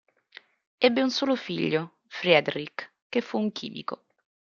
Ebbe un solo figlio, Friedrich, che fu un chimico.